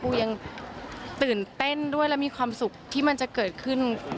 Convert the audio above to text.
ยังตื่นเต้นด้วยและมีความสุขที่มันจะเกิดขึ้น